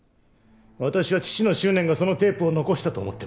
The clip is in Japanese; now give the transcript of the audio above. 私は父の執念がそのテープを残したと思ってます。